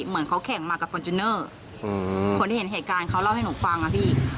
เหมือนเขาแข่งมากับฟอร์จูเนอร์คนที่เห็นเหตุการณ์เขาเล่าให้หนูฟังอะพี่